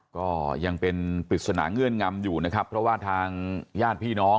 ก็ยังเป็นปริศนาเงื่อนงำอยู่นะครับเพราะว่าทางญาติพี่น้อง